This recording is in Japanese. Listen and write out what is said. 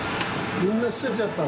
みんな捨てちゃったの。